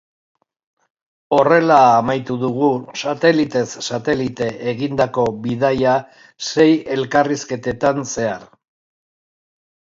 Horrela amaitu dugu satelitez satelite egindako bidaia sei elkarrizketetan zehar.